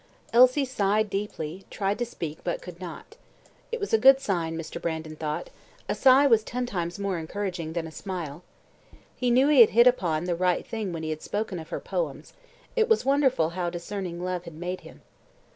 Elsie sighed deeply; tried to speak, but could not. It was a good sign, Mr. Brandon thought a sigh was ten times more encouraging than a smile. He knew he had hit upon the right thing when he had spoken of her poems; it was wonderful how discerning love had made him.